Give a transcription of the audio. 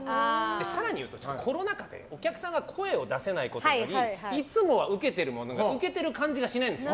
更にいうと、コロナ禍でお客さんが声を出せないことでいつもウケてるものがウケている感じがしないんですよ。